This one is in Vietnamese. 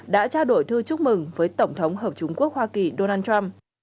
đã trao đổi thư chúc mừng với tổng thống hợp chúng quốc hoa kỳ donald trump